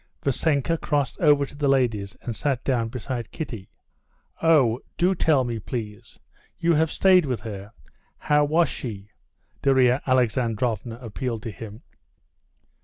Vassenka crossed over to the ladies, and sat down beside Kitty. "Ah, do tell me, please; you have stayed with her? How was she?" Darya Alexandrovna appealed to him.